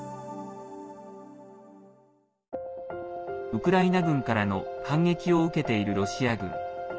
ウクライナ軍からの反撃を受けているロシア軍。